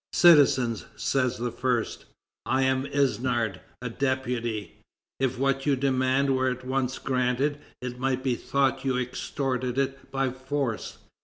"Citizens," says the first, "I am Isnard, a deputy. If what you demand were at once granted, it might be thought you extorted it by force.